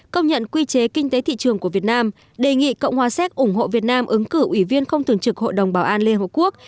công nhận quy chế kinh tế thị trường của việt nam đề nghị cộng hòa séc ủng hộ việt nam ứng cử ủy viên không thường trực hội đồng bảo an liên hợp quốc